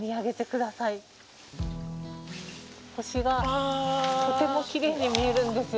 星がとてもきれいに見えるんですよ。